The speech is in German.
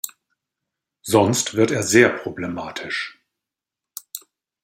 Sonst wird er sehr problematisch.